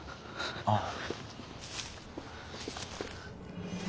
ああ。